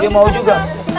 gue mau juga